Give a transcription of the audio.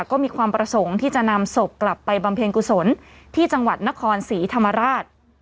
ก็มีความประสงค์ที่จะนำศพกลับไปบำเพ็ญกุศลที่จังหวัดนครศรีธรรมราช